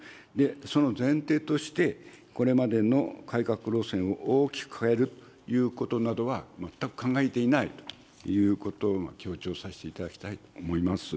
その前提として、これまでの改革路線を大きく変えるということなどは全く考えていないということを強調させていただきたいと思います。